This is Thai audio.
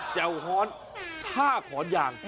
เจ้าหอน๕ขรรยาง